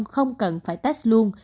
không cần phải test luôn